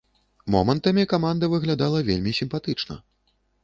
Момантамі каманда выглядала вельмі сімпатычна.